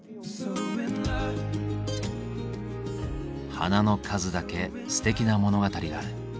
花の数だけすてきな物語がある。